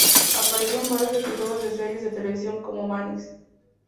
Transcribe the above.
Apareció en varios episodios de series de televisión como "Mannix".